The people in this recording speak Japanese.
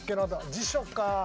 辞書か。